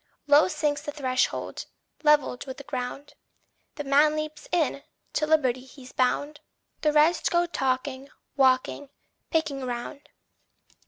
Low sinks the threshold, levelled with the ground; The man leaps in to liberty he's bound. The rest go talking, walking, picking round.